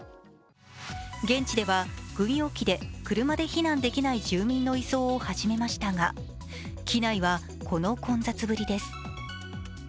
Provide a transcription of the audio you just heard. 現地では軍用機で車で避難できない住民の移送を始めましたが機内はこの混雑ぶりです。